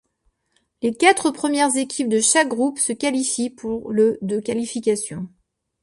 Les quatre premières équipes de chaque groupe se qualifient pour le de qualification.